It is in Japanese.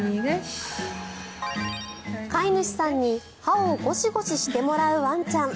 飼い主さんに歯をゴシゴシしてもらうワンちゃん。